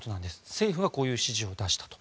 政府がこういう指示を出したと。